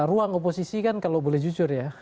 ruang oposisi kan kalau boleh jujur ya